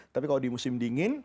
tapi kalau di musim dingin